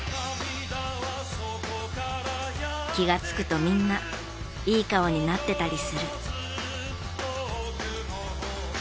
気がつくとみんないい顔になってたりする。